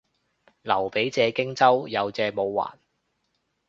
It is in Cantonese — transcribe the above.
劉備借荊州，有借冇還